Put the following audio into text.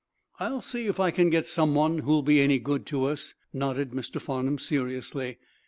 "I'll see if I can get someone who'll be any good to us," nodded Mr. Farnum, seriously.